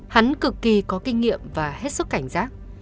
hắn cực kỳ có kinh nghiệm và hết sức cảnh giác